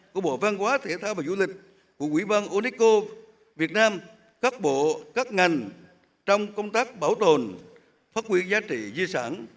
của bộ văn hóa thể thao và du lịch của quỹ ban unesco việt nam các bộ các ngành trong công tác bảo tồn phát huy giá trị di sản